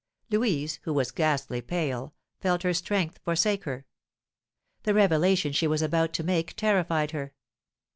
Louise, who was ghastly pale, felt her strength forsake her. The revelation she was about to make terrified her.